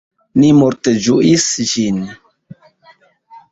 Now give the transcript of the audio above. Ni multe ĝuis ĝin.